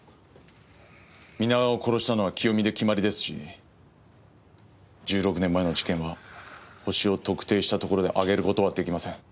皆川を殺したのは清美で決まりですし１６年前の事件は犯人を特定したところで挙げる事は出来ません。